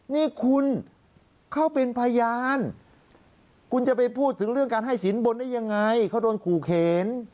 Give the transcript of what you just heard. นี่คุณเขาเป็นพยานคุณจะไปพูดถึงเรื่องการให้สินบนได้ยังไงเขาโดนขู่เข็น